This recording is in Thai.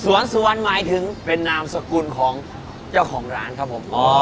สวนสวนหมายถึงเป็นนามสกุลของเจ้าของร้านครับผม